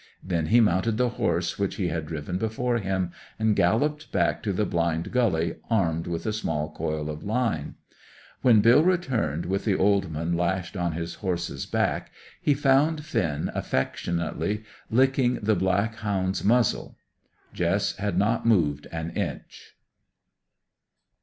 Then he mounted the horse which he had driven before him, and galloped back to the blind gully armed with a small coil of line. When Bill returned with the old man lashed on his horse's back, he found Finn affectionately licking the black hound's muzzle. Jess had not moved an inch.